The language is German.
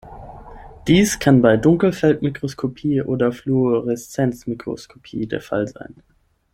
Dies kann bei Dunkelfeldmikroskopie oder Fluoreszenzmikroskopie der Fall sein.